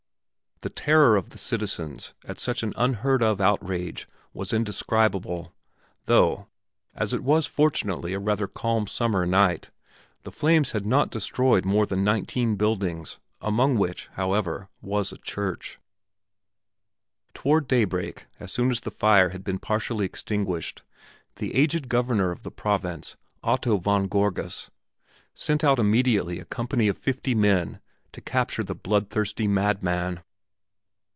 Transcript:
The terror of the citizens at such an unheard of outrage was indescribable, though, as it was fortunately a rather calm summer night, the flames had not destroyed more than nineteen buildings, among which, however, was a church. Toward daybreak, as soon as the fire had been partially extinguished, the aged Governor of the province, Otto von Gorgas, sent out immediately a company of fifty men to capture the bloodthirsty madman.